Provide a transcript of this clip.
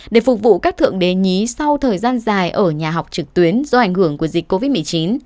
để phục vụ các thượng đế nhí sau thời gian dài ở nhà học trực tuyến do ảnh hưởng của dịch covid một mươi chín